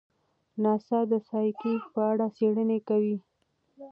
ناسا د سایکي په اړه څېړنې کوي.